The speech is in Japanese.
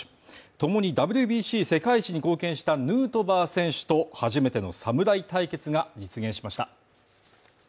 ともにＷＢＣ世界一に貢献したヌートバー選手と初めての侍対決が実現しました。